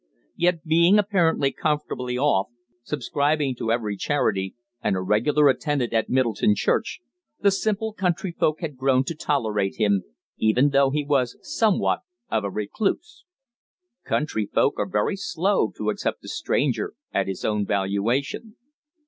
Yet, being apparently comfortably off, subscribing to every charity, and a regular attendant at Middleton church, the simple country folk had grown to tolerate him, even though he was somewhat of a recluse. Country folk are very slow to accept the stranger at his own valuation.